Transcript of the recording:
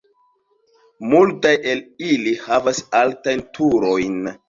Multaj el ili havas altajn turojn.